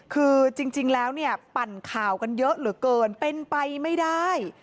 คือจริงแล้วเนี่ยปั่นข่าวกันเยอะเหลือเกินเป็นไปไม่ได้